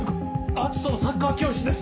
篤斗のサッカー教室です！